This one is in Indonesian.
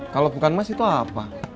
kalau bukan emas itu apa